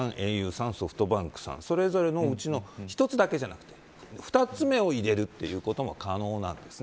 ａｕさん、ソフトバンクさんそれぞれのうちの１つだけじゃなくて２つ目を入れるということも可能なんです。